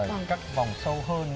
rõ ràng ở các vòng sâu hơn